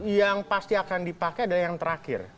yang pasti akan dipakai adalah yang terakhir